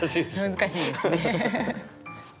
難しいですね。